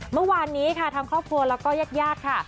เมื่อวานนี้ค่ะทำครอบครัวแล้วก็ยักษ์ค่ะ